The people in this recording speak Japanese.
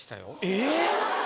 えっ！